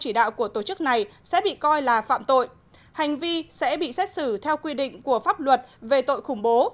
chỉ đạo của tổ chức này sẽ bị coi là phạm tội hành vi sẽ bị xét xử theo quy định của pháp luật về tội khủng bố